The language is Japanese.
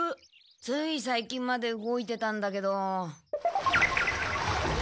ついさいきんまで動いてたんだけど。